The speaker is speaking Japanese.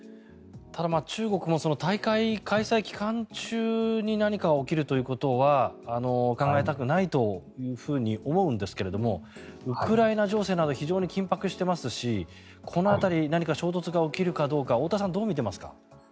ただ、中国も大会開催期間中に何か起きるということは考えたくないというふうに思うんですけどもウクライナ情勢など非常に緊迫していますしこの辺り、何か衝突が起きるかどうか太田さんはどう見ていますか？